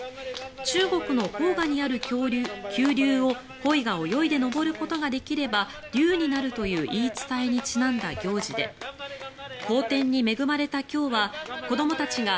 中国の黄河にある急流をコイが泳いで登ることができれば竜になるという言い伝えにちなんだ行事で好天に恵まれた今日は子どもたちが